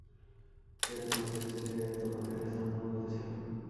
Cat, যখন দেখেছিলে তখন এটার স্থানাঙ্ক কত ছিল?